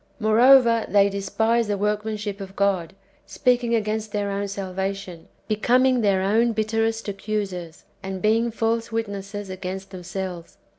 Moreover, they despise the workmanship of God, speaking against their own salvation, becoming their own bitterest accusers, and being false wit nesses [against themselves].